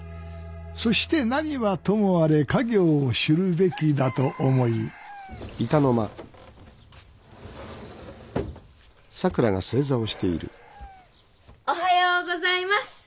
そして何はともあれ家業を知るべきだと思いおはようございます。